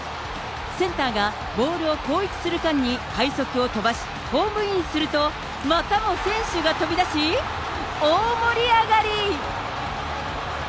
センターがボールを後逸する間に快足を飛ばし、ホームインすると、またも選手が飛び出し、大盛り上がり。